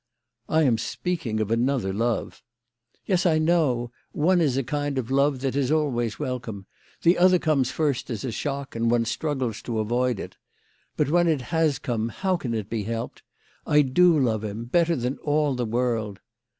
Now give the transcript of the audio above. " I am speaking of another love." " Yes ; I know. One is a kind of love that is always welcome. The other comes first as a shock, and one struggles to avoid it. But when it has come, how can it be helped ? I do love him, better than all the world."